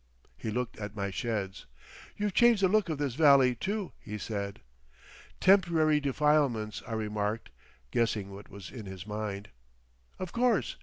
He looked at my sheds. "You've changed the look of this valley, too," he said. "Temporary defilements," I remarked, guessing what was in his mind. "Of course.